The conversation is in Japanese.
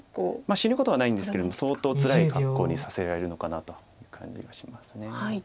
死ぬことはないんですけれども相当つらい格好にさせられるのかなという感じがします。